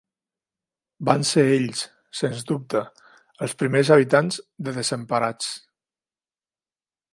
Van ser ells, sens dubte, els primers habitants de Desemparats.